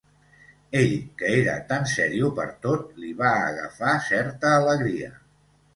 Ell, que era tan serio per tot, li va agafar certa alegria